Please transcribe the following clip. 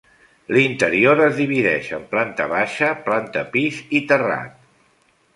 L'interior es divideix en planta baixa, planta pis i terrat.